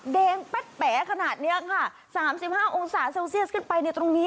เดงแป๊ดแป๋ขนาดนี้ค่ะ๓๕องศาเซลเซียสขึ้นไป